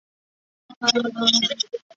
卓颖思。